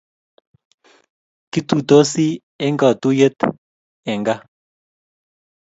Kituitosii eng katuiyet eng kaa